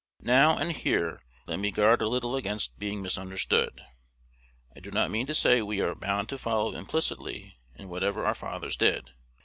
Now, and here, let me guard a little against being misunderstood. I do not mean to say we are bound to follow implicitly in whatever our fathers did.